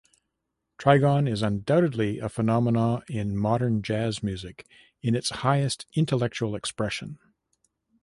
Trigon is undoubtedly a phenomenon in modern jazz music in its highest intellectual expression.